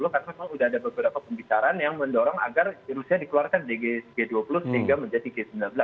karena memang sudah ada beberapa pembicaraan yang mendorong agar rusia dikeluarkan dari g dua puluh sehingga menjadi g sembilan belas